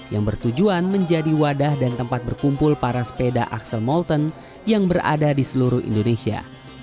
yang bertujuan menjadi wadah dan tempat berkumpul para sepeda axel molton yang berada di seluruh indonesia